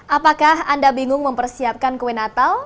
apakah anda bingung mempersiapkan kue natal